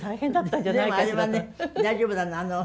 でもあれはね大丈夫なの。